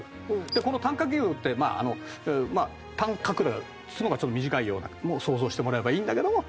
でこの短角牛って「短角」だから角がちょっと短いようなものを想像してもらえばいいんだけども。